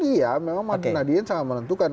iya memang madinah dien sangat menentukan